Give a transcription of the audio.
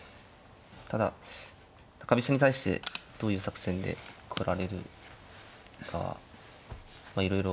ただ中飛車に対してどういう作戦でこられるかいろいろ。